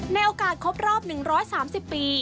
ในโอกาสครบรอบ๑๓๐ปี